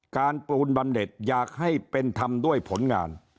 การปูนบัณฑภ์หรือการเด็ดอยากให้เป็นธรรมด้วยผลงาน